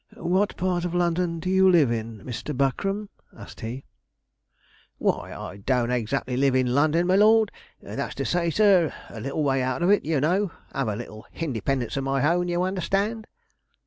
What part of London do you live in, Mr. Buckram?' asked he. 'Why, I doesn't exactly live in London, my lord that's to say, sir a little way out of it, you know have a little hindependence of my own, you understand.'